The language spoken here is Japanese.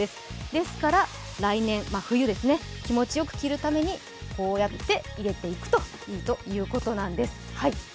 ですから来年、冬に気持ちよく着るためにこうやって入れていくといいということなんです。